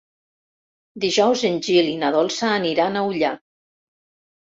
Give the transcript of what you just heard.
Dijous en Gil i na Dolça aniran a Ullà.